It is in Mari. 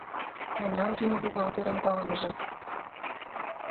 — Мемнан тӱҥ бухгалтерын палымыже.